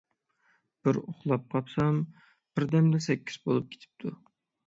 بىر ئۇخلاپ قوپسام، بىردەمدە سەككىز بولۇپ كېتىپتۇ.